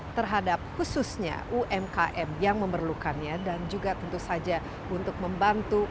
terhadap khususnya umkm yang memerlukannya dan juga tentu saja untuk membantu